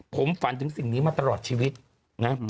ผมฝันถึงสิ่งนี้มาตลอดชีวิตนะ